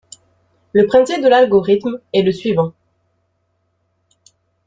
Le principe de l'algorithme est le suivant.